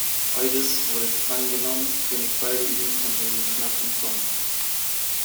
Eudes wurde gefangen genommen, König Balduin konnte nur knapp entkommen.